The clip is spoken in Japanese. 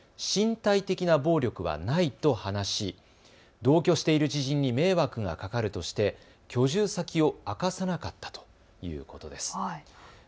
身体的な暴力はないと話し同居している知人に迷惑がかかるとして居住先を明かさなかったということです。